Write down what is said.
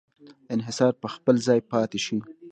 انحصار په خپل ځای پاتې شي.